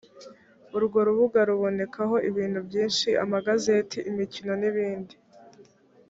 urwo rubuga rubonekaho ibintu byinshi amagazeti imikino n’ibindi